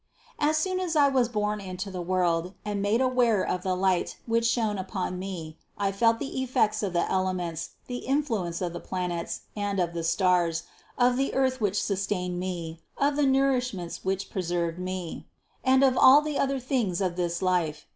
357. As soon as I was born into the world and made aware of the light, which shone upon me, I felt the effects of the elements, the influence of the planets and of the stars, of the earth which sustained me, of the nourish ments which preserved me, and of all the other things of this life.